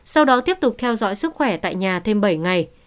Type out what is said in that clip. sau đó tiếp tục theo dõi sức khỏe tại nhà thêm bảy ngày